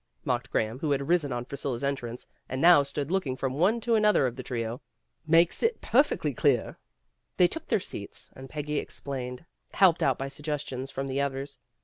'' mocked Graham, who had risen on Priscilla's entrance, and now stood looking from one to another of the trio. "Makes it perfectly clear." They took their seats, and Peggy explained, helped out by suggestions from the others.